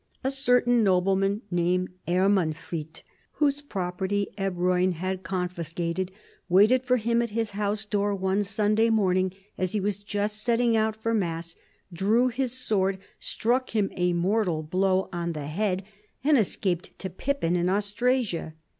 A certain nobleman named Ermenfrid, whose property Ebroin had confiscated, waited for him at his house door one Sunday morning as he was just setting out for mass, drew his sword, struck him a mortal blow on the head, and escaped to Pippin in Austrasia.